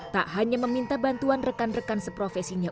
tak hanya meminta bantuan rekan rekan seprofesinya